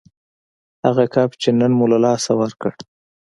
هغه کب چې نن مو له لاسه ورکړ